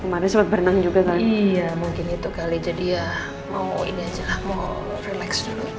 kemarin sebab berenang juga iya mungkin itu kali jadi ya mau ini aja mau relax dulu ya